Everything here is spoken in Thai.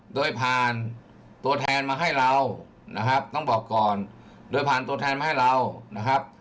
โดยผ่านตัวแทนมาให้เรานะครับต้องบอกก่อนโดยผ่านตัวแทนมาให้เรานะครับ